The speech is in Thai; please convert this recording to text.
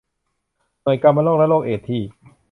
หน่วยกามโรคและโรคเอดส์ที่